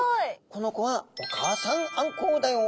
この子はお母さんあんこうだよ。